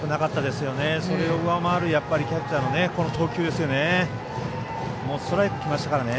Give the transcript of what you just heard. それを上回るキャッチャーの投球ですよね。